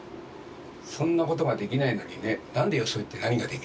そんなことができないのによそに行って何ができるって。